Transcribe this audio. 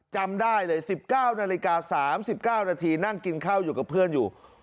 จำได้เลย๑๙นาฬิกา๓๙นาทีนั่งกินข้าวอยู่กับเพื่อนอยู่